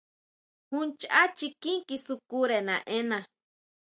Jun chʼá chikín kisukire naʼena.